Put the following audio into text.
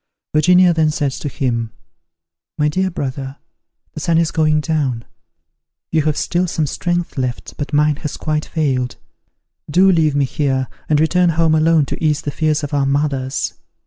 Virginia then said to him, "My dear brother, the sun is going down; you have still some strength left, but mine has quite failed: do leave me here, and return home alone to ease the fears of our mothers."